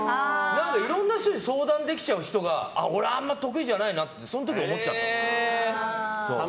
いろんな人に相談できちゃう人が俺、あんまり得意じゃないなってその時、思っちゃった。